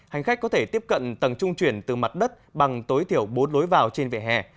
hành khách có thể tiếp cận tầng trung chuyển từ mặt đất bằng tối thiểu bốn lối vào trên vỉa hè